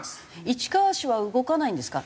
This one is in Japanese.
市川市は動かないんですか？